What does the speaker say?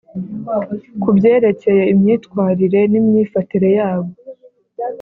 Ku byerekeye imyitwarire n imyifatire yabo